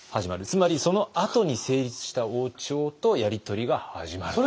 つまりそのあとに成立した王朝とやり取りが始まると。